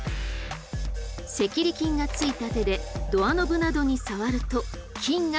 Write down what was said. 赤痢菌が付いた手でドアノブなどに触ると菌が付着。